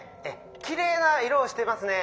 「きれいないろ」をしてますね。